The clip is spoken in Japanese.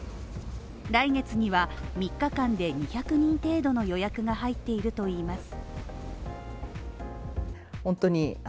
来月には３日間で２００人程度の予約が入っているといいます。